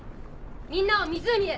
みんなを湖へ！